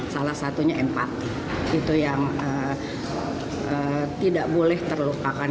salah satunya empati itu yang tidak boleh terlupakan